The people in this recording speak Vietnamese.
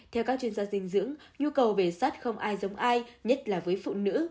theo các chuyên gia dinh dưỡng nhu cầu về sát không ai giống ai nhất là với phụ nữ